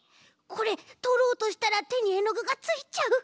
これとろうとしたらてにえのぐがついちゃう。